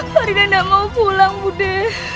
faridah enggak mau pulang budi